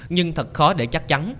nhưng thật khó để chắc chắn